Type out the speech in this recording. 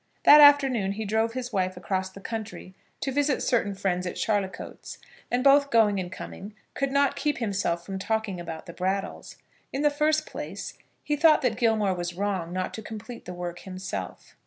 That afternoon he drove his wife across the county to visit certain friends at Charlicoats, and, both going and coming, could not keep himself from talking about the Brattles. In the first place, he thought that Gilmore was wrong not to complete the work himself.